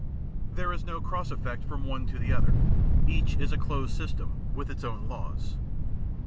There is no cross e£Pect from one to the other; each is a closed system, with its own laws.